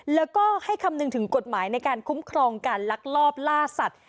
แล้วก็ให้คำนึงถึงกฎหมายในการคุ้มครองการลักลอบล่าสัตว